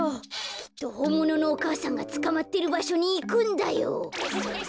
きっとほんもののお母さんがつかまってるばしょにいくんだよ。